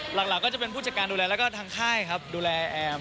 หลักก็จะเป็นผู้จัดการดูแลแล้วก็ทางค่ายครับดูแลแอม